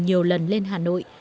nhiều lần lên hà nội